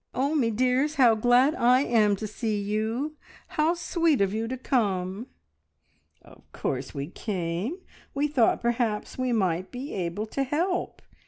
Oh, me dears, how glad I am to see you! How sweet of you to come!" "Of course we came; we thought perhaps we might be able to help!"